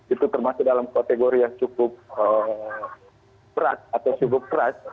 itu termasuk dalam kategori yang cukup berat atau cukup keras